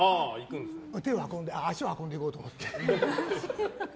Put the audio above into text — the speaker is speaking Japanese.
手を運んでいや、足を運んでいこうと思って。